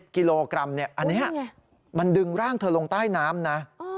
กิโลกรัมอันนี้มันดึงร่างเธอลงใต้น้ำนะ